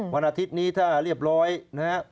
วันอาทิตย์นี้ถ้าเรียบร้อยนะฮะ